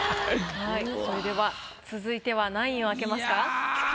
それでは続いては何位を開けますか？